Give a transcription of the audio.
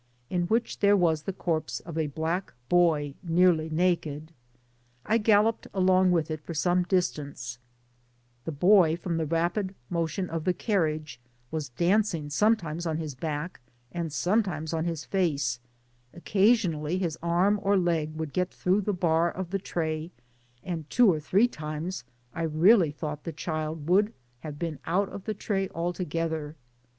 in which there was the corpse of a black boy nearly nakedt I galloped along with it for some distance; the boy, from the rapid motion of the carriage, was dancing sometimes on his back and sometimes on his face; occasionally his arm or leg would get through the bar qi the tray, and two or thr^ times Digitized byGoogk TOWN OF BDJ5N0S AIEES, 39 I really thought the child would have been out of the tray altogether.